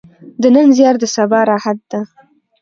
د نن زیار د سبا راحت ده.